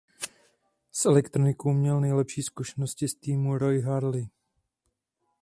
S elektronikou měl nejlepší zkušenosti z týmu Roy Harley.